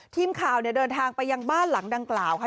ทีมข่าวเดินทางไปยังบ้านหลังดังกล่าวค่ะ